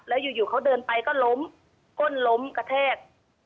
แล้วอยู่เขาเดินไปก็ล้มก้นล้มกระแทก